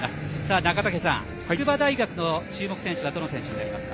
中竹さん、筑波大学の注目選手はどの選手になりますか？